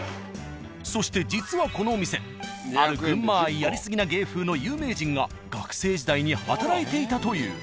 そして実はこのお店ある群馬愛やりすぎな芸風の有名人が学生時代に働いていたという。